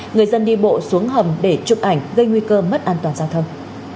người dân đi bộ xuống hầm để chụp ảnh gây nguy cơ mất an toàn giao thông